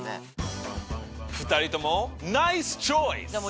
２人ともナイスチョイス！